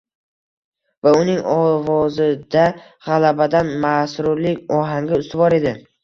Va uning ovozida g‘alabadan masrurlik ohangi ustuvor edi.